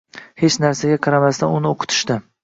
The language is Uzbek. Hech narsaga qaramasdan uni o‘qitishdi.